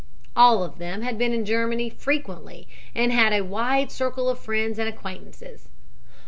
All of them had been in Germany frequently and had a wide circle of friends and acquaintances.